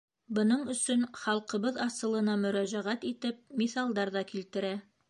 Бының өсөн халҡыбыҙ асылына мөрәжәғәт итеп, миҫалдар ҙа килтерә.